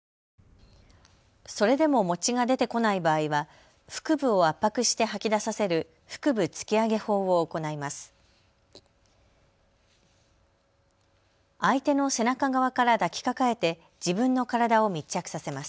それでも餅が出てこない場合は腹部を圧迫して吐き出させる腹部突き上げ法を行います。